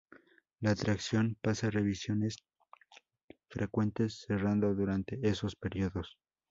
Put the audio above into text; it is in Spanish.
La atracción pasa revisiones frecuentes, cerrando durante esos periodos.